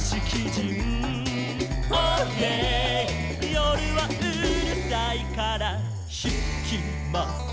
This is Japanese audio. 「よるはうるさいからひきません」